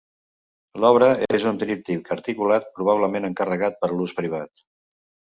L'obra és un tríptic articulat, probablement encarregat per a l'ús privat.